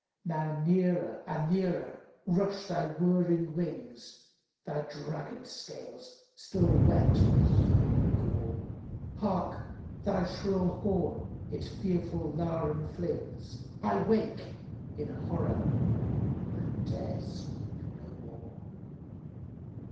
Now near and nearer rush thy whirring wings, Thy dragon scales still wet with human gore. Hark, thy shrill horn its fearful laram flings! —I wake in horror, and 'dare sleep no more!